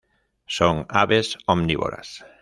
Son aves omnívoras.